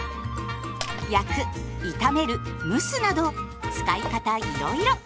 焼く炒める蒸すなど使い方いろいろ。